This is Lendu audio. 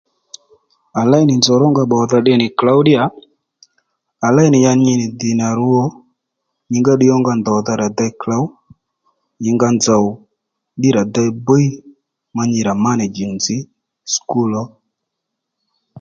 À léy nì nzòw rónga pbòdha tde nì klǒw ddíyà à léy nì ya nyi nì dhì nà rwo nyǐ ngá ddiy ónga ndòdha rà dey klǒw nyǐ ngá nzòw ddí rà dey bíy ma nyi rà managing nzǐ sùkúl ó